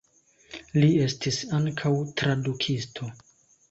Li estis ankaŭ tradukisto.